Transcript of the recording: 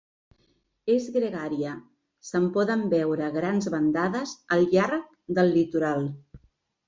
És gregària: se'n poden veure grans bandades al llarg del litoral.